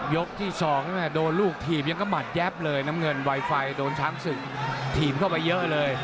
ที่สองโดนลูกถีบยังก็หมัดแยบเลยน้ำเงินไวไฟโดนช้างศึกถีบเข้าไปเยอะเลย